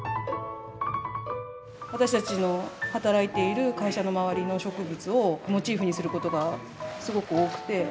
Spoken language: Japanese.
私たちの働いている会社の周りの植物をモチーフにすることがすごく多くて。